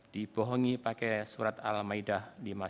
dibohongi pakai surat al maidah